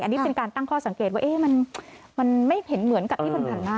อันนี้เป็นการตั้งข้อสังเกตว่ามันไม่เห็นเหมือนกับที่ผ่านมา